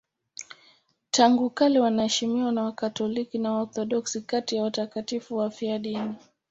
Tangu kale wanaheshimiwa na Wakatoliki na Waorthodoksi kati ya watakatifu wafiadini.